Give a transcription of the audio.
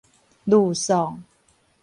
呂宋